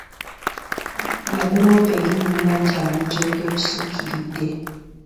Yamuloopa eri nnyina nti amujooga ekisukkiridde.